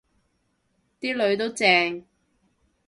啲囡都正